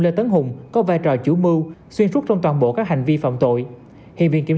lê tấn hùng có vai trò chủ mưu xuyên suốt trong toàn bộ các hành vi phạm tội hiện viện kiểm